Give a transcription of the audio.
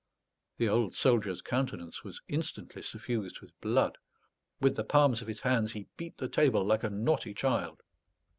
The old soldier's countenance was instantly suffused with blood; with the palms of his hands he beat the table like a naughty child.